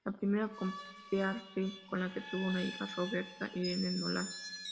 La primera con Pearl Fields, con la que tuvo una hija, Roberta Irene Nolan.